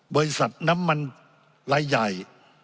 บริษัทน้ำมันรายใหญ่